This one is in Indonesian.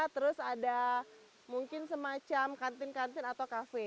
terus ada mungkin semacam kantin kantin atau kafe